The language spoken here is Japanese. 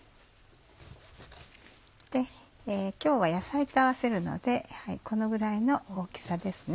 今日は野菜と合わせるのでこのぐらいの大きさですね。